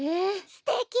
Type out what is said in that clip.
すてき！